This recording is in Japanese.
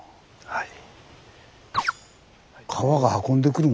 はい。